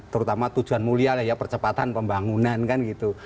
terutama tujuan mulia lah ya percepatan pembangunan kan gitu